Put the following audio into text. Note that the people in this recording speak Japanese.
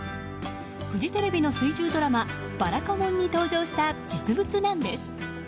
フジテレビの水１０ドラマ「ばらかもん」に登場した実物なんです。